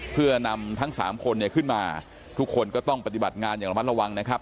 เพื่อนำทั้งสามคนเนี่ยขึ้นมาทุกคนก็ต้องปฏิบัติงานอย่างระมัดระวังนะครับ